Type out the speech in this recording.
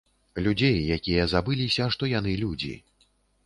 Людзей, якія забыліся, што яны людзі.